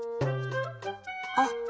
あっ！